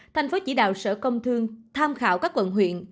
tp hcm tham khảo các quận huyện